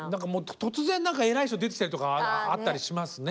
突然何か偉い人出てきたりとかあったりしますね。